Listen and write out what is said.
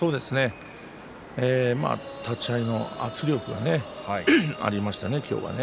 立ち合いの圧力がありましたね、今日はね。